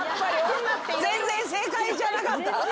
全然正解じゃなかった。